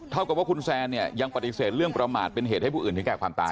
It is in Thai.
เท่ากับว่าคุณแซนเนี่ยยังปฏิเสธเรื่องประมาทเป็นเหตุให้ผู้อื่นถึงแก่ความตาย